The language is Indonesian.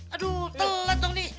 aduh telat dong di